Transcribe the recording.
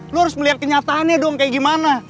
lu harus melihat kenyataannya dong kayak gimana